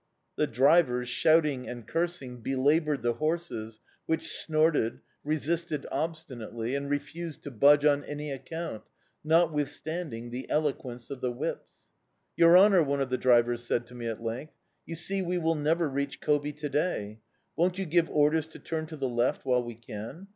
The drivers, shouting and cursing, belaboured the horses, which snorted, resisted obstinately, and refused to budge on any account, notwithstanding the eloquence of the whips. "Your honour," one of the drivers said to me at length, "you see, we will never reach Kobi to day. Won't you give orders to turn to the left while we can?